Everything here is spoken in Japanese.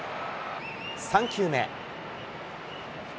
３球目。